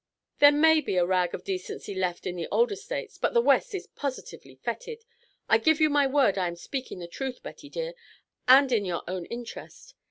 "There may be a rag of decency left in the older States, but the West is positively fetid. I give you my word I am speaking the truth, Betty dear, and in your own interest.